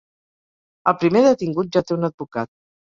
El primer detingut ja té un advocat.